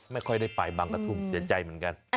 ไม่ค่อยได้ไปบางกระทุ่มเสียใจเหมือนกัน